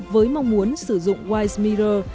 với mong muốn sử dụng white mirror